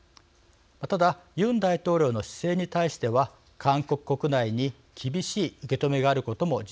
ただユン大統領の姿勢に対しては韓国国内に厳しい受け止めがあることも事実です。